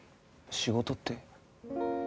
仕事って？